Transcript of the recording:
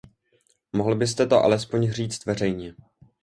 Mohl byste to alespoň říct veřejně.